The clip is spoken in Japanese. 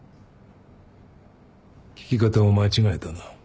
聞き方を間違えたな。